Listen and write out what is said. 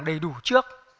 đầy đủ trước